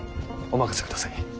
お任せください。